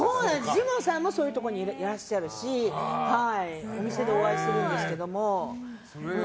ジモンさんもそういうところにいらっしゃるからお店でお会いするんですけども。